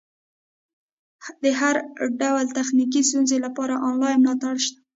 د هر ډول تخنیکي ستونزې لپاره انلاین ملاتړ شته.